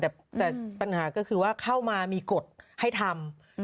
แต่ปัญหาก็คือว่าเข้ามามีกฎให้ทำ